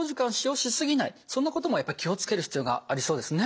そんなこともやっぱり気を付ける必要がありそうですね。